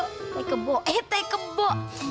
eh teh kebo eh teh kebo